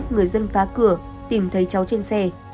người dân phá cửa tìm thấy cháu trên xe